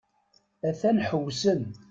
A-t-an ḥewsen.